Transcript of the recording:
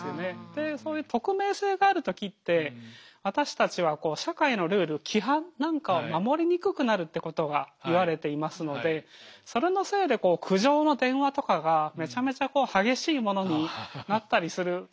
でそういう匿名性があるときって私たちはこう社会のルール規範なんかを守りにくくなるってことが言われていますのでそれのせいで苦情の電話とかがめちゃめちゃこう激しいものになったりする。